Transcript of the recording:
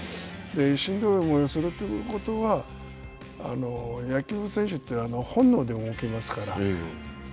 しんどい思いをするということは野球選手って本能で動きますから。